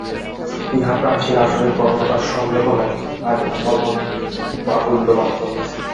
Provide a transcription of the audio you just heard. ইহা প্রাচীন আসুরিক বর্বরতা সন্দেহ নাই, আর ইহা বলাও বাহুল্যমাত্র।